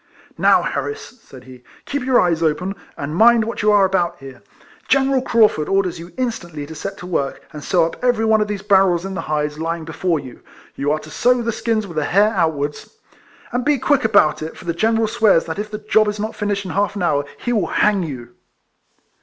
" Now, Harris," said he, " keep your eyes open, and mind what you are about here. General Craufurd orders you instantly to set to work, and sew up every one of these barrels in the hides lying before you. You are to sew the skins with the hair outwards, and be quick about it, for the General swears that if the job is not finished in half an hour he will hang you."